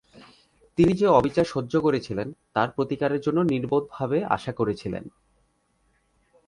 তিনি যে অবিচার সহ্য করেছিলেন তার প্রতিকারের জন্য নির্বোধভাবে আশা করেছিলেন।